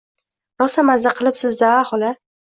Rosa maza qilibsiz-da,a, xola